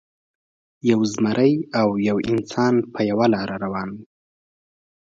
یو زمری او یو انسان په یوه لاره روان وو.